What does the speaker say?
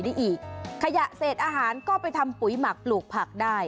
ได้อีกขยะเศษอาหารก็ไปทำปุ๋ยหมักปลูกผักได้